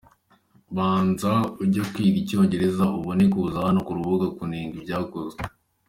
banza ujye kwiga icyongereza, ubone kuza hano ku rubuga kunenga ibyakozwe !.